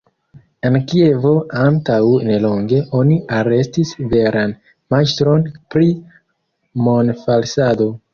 En Kievo antaŭ nelonge oni arestis veran majstron pri monfalsado.